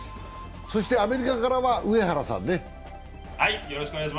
そしてアメリカからは上原さんね。